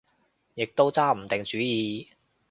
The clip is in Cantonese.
亦都揸唔定主意